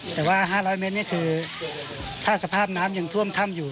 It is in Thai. แต่ว่า๕๐๐เมตรนี่คือถ้าสภาพน้ำยังท่วมถ้ำอยู่